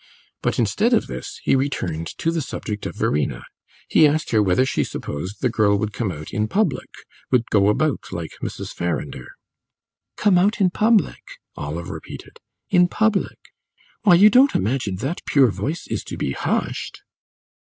But instead of this he returned to the subject of Verena; he asked her whether she supposed the girl would come out in public would go about like Mrs. Farrinder? "Come out in public!" Olive repeated; "in public? Why, you don't imagine that pure voice is to be hushed?"